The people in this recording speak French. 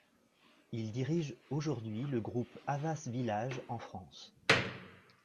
Il dirige aujourd'hui le groupe Havas Village en France.